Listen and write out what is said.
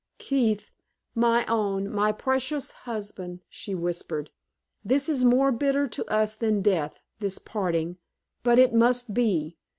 "Keith, my own, my precious husband!" she whispered, "this is more bitter to us than death this parting but it must be.